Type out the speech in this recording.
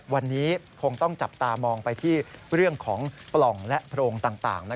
วันนี้คงต้องจับตามองไปที่เรื่องของปล่องและโพรงต่าง